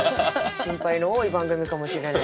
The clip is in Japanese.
心配の多い番組かもしれないです。